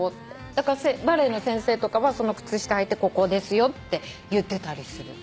だからバレエの先生とかはその靴下はいてここですよって言ってたりする。